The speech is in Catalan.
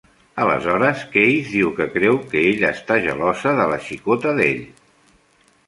Aleshores, Keys diu que creu que ella està gelosa de la "xicota" d'ell.